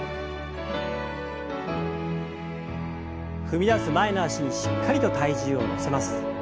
踏み出す前の脚にしっかりと体重を乗せます。